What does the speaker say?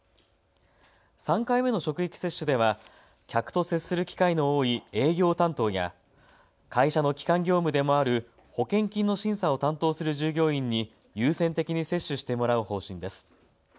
３回目の職域接種では客と接する機会の多い営業担当や会社の基幹業務でもある保険金の審査を担当する従業員に優先的に接種してもらう方針です。